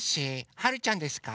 はるちゃんですか？